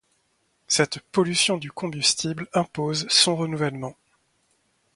Cette pollution du combustible impose son renouvellement.